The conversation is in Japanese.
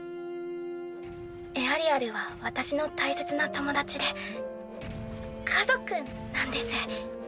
エアリアルは私の大切な友達で家族なんです。